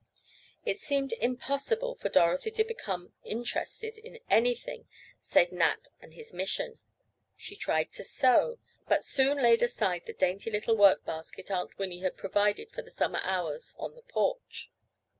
It seemed impossible for Dorothy to become interested in anything save Nat and his mission. She tried to sew, but soon laid aside the dainty little work basket Aunt Winnie had provided for the summer hours on the porch.